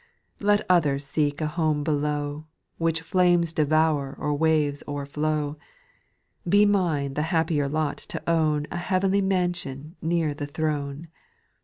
Let others seek a home below, Which flames devour or waves o'erflow ; Be mine the happier lot to own A heavenly mansion near the throne.